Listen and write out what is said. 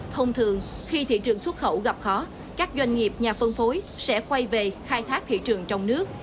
thông thường khi thị trường xuất khẩu gặp khó các doanh nghiệp nhà phân phối sẽ quay về khai thác thị trường trong nước